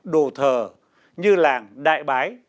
đồ thờ như làng đại bái